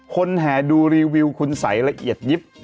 แห่ดูรีวิวคุณสัยละเอียดยิบ